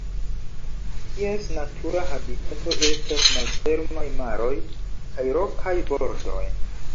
Ties natura habitato estas malfermaj maroj kaj rokaj bordoj.